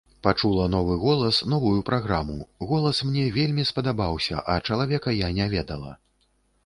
Пачула новы голас, новую праграму, голас мне вельмі спадабаўся, а чалавека я не ведала.